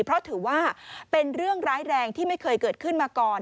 เพราะถือว่าเป็นเรื่องร้ายแรงที่ไม่เคยเกิดขึ้นมาก่อน